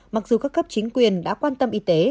mặc dù các cấp chính quyền đã quan tâm y tế